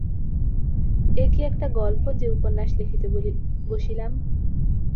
এ কি একটা গল্প যে উপন্যাস লিখিতে বসিলাম।